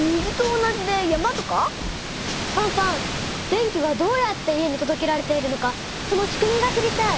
電気はどうやって家にとどけられているのかそのしくみが知りたい！